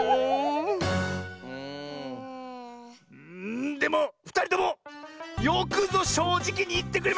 んでもふたりともよくぞしょうじきにいってくれました！